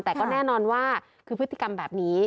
แต่ก็แน่นอนว่าคือพฤติกรรมแบบนี้